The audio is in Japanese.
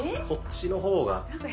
こっちの方が。